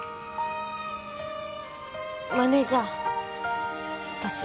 マネージャー私